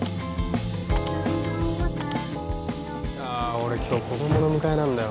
俺今日子供の迎えなんだよ。